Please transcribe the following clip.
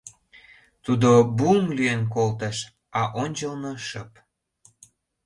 Тудо «буҥ» лӱен колтыш, а ончылно шып.